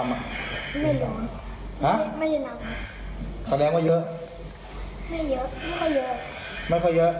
ไม่เจ็บ